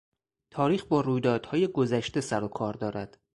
تاریخ با رویدادهای گذشته سر و کار دارد.